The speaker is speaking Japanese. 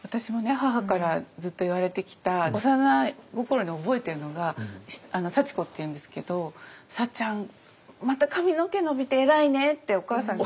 母からずっと言われてきた幼心に覚えてるのが祥子っていうんですけど「さっちゃんまた髪の毛伸びて偉いね」ってお母さんから言われてたの。